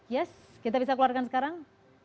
yes kita bisa keluarkan sekarang